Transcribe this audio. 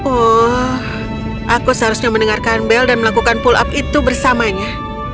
oh aku seharusnya mendengarkan bel dan melakukan pull up itu bersamanya